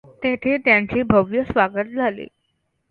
तेथे त्यांचे भव्य स्वागत झाले.